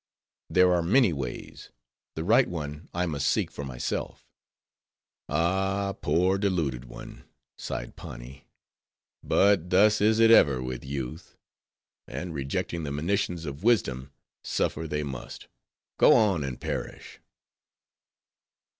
"There are many ways: the right one I must seek for myself." "Ah, poor deluded one," sighed Pani; "but thus is it ever with youth; and rejecting the monitions of wisdom, suffer they must. Go on, and perish!"